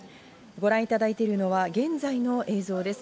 ご覧いただいているのは現在の映像です。